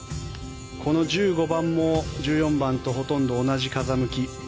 この１５番も１４番とほとんど同じ風向き。